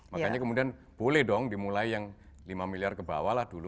makanya kemudian boleh dong dimulai yang lima miliar ke bawah lah dulu